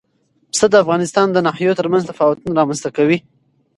پسه د افغانستان د ناحیو ترمنځ تفاوتونه رامنځ ته کوي.